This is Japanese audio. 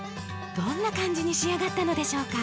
どんな感じに仕上がったのでしょうか？